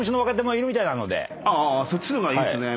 あそっちの方がいいっすね。